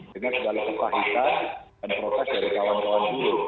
dengan segala kepahitan dan protes dari kawan kawan guru